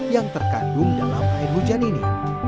yang terkandung dalam air hujan ini